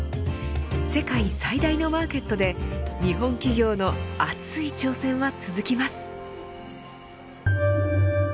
世界最大のマーケットで日本企業の熱い挑戦は続きます。